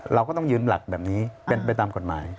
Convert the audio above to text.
เราก็ต้องยืนหลักแบบนี้เป็นไปตามกฎหมาย